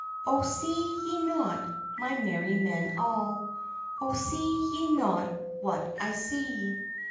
"Oh, see ye not, my merry men all, Oh, see ye not what I see?